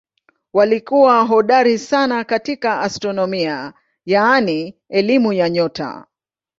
Walikuwa hodari sana katika astronomia yaani elimu ya nyota.